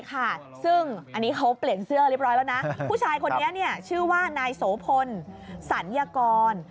ซึ่งอันนี้เขาเปลี่ยนเสื้อเรียบร้อยแล้วนะผู้ชายคนนี้ชื่อว่านายโสพลสัญญากร